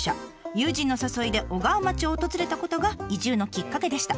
友人の誘いで小川町を訪れたことが移住のきっかけでした。